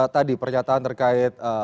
tadi pernyataan terkait